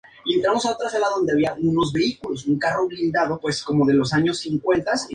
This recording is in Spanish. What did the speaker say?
En la actualidad este Batallón está adscrito al Comando de Fuerzas Especiales.